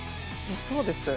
そうです。